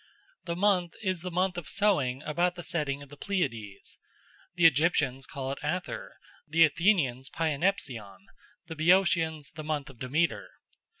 The month is the month of sowing about the setting of the Pleiades. The Egyptians call it Athyr, the Athenians Pyanepsion, the Boeotians the month of Demeter.